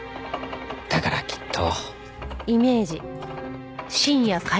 だからきっと。